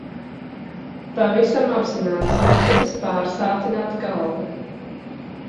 Pavisam apzināti negribas pārsātināt galvu.